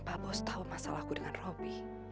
pak bos tahu masalahku dengan robby